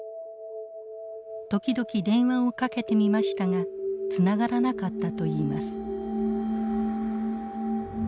時々電話をかけてみましたがつながらなかったといいます。